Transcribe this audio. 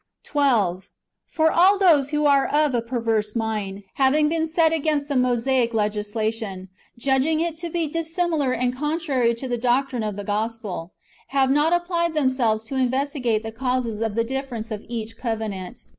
12. For all those who are of a perverse mind, having been set against the Mosaic legislation, judging it to be dissimilar and contrary to the doctrine of the gospel, have not applied themselves to investigate the causes of the difference of each covenant.